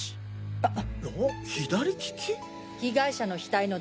あっ。